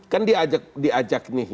kan diajak nih